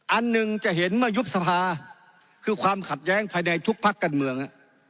อันหนึ่งจะเห็นเมื่อยุบสภาคือความขัดแย้งภายในทุกพักการเมือง